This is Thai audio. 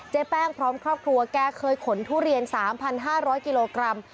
แป้งพร้อมครอบครัวแกเคยขนทุเรียน๓๕๐๐กิโลกรัม